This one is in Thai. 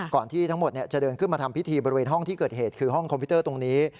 ที่ทั้งหมดจะเดินขึ้นมาทำพิธีบริเวณห้องที่เกิดเหตุคือห้องคอมพิวเตอร์ตรงนี้